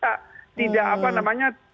tidak mengambil tidak mengutip pertanyaan